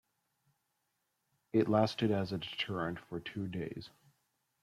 It lasted as a deterrent for two days.